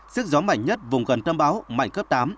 sức gió mạnh nhất vùng gần tâm bão mạnh cấp tám